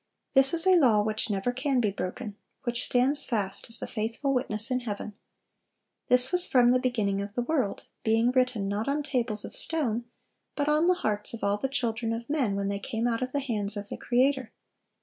This is a law which never can be broken, which 'stands fast as the faithful witness in heaven.' ... This was from the beginning of the world, being 'written not on tables of stone,' but on the hearts of all the children of men, when they came out of the hands of the Creator.